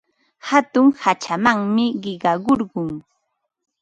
Hatun hachamanmi qiqakurqun.